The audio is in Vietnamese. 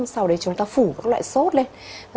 sau đấy chúng ta phủ các loại sốt lên